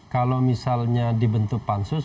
kalau misalnya dibentuk pansus